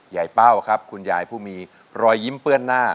เป้าครับคุณยายผู้มีรอยยิ้มเปื้อนหน้า